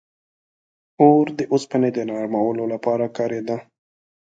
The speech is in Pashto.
• اور د اوسپنې د نرمولو لپاره کارېده.